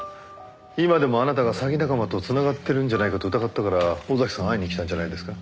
今でもあなたが詐欺仲間と繋がってるんじゃないかと疑ったから尾崎さんは会いに来たんじゃないんですか？